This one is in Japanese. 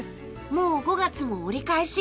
もう５月も折り返し。